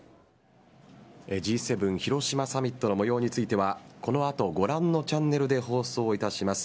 Ｇ７広島サミットの模様についてはこのあとご覧のチャンネルで放送いたします